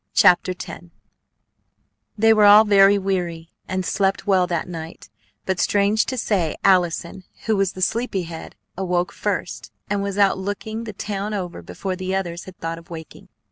CHAPTER X They were all very weary, and slept well that night; but, strange to say, Allison, who was the sleepy head, awoke first, and was out looking the town over before the others had thought of awaking.